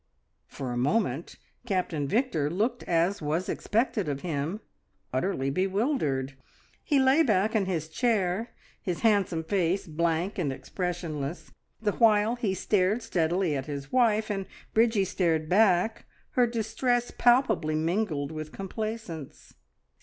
For a moment Captain Victor looked as was expected of him utterly bewildered. He lay back in his chair, his handsome face blank and expressionless, the while he stared steadily at his wife, and Bridgie stared back, her distress palpably mingled with complacence.